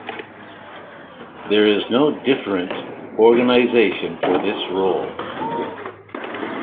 There is no different organization for this role.